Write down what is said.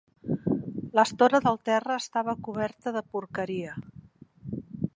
L'estora del terra estava coberta de porqueria.